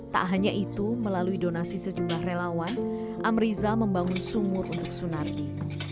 tak hanya itu melalui donasi sejumlah relawan amrizal membangun sumur untuk sunardi